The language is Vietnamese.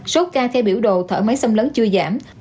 số ca theo biểu đồ thở máy xâm lấn chưa giảm